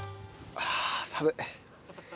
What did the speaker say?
ああ寒い。